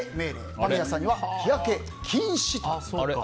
間宮さんには日焼け禁止と。